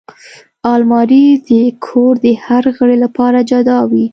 الماري د کور د هر غړي لپاره جدا وي